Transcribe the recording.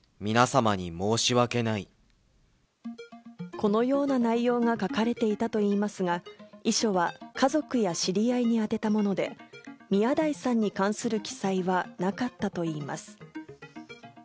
このような内容が書かれていたといいますが、遺書は家族や知り合いに宛てたもので、宮台さんに関する記載はなかったといいます。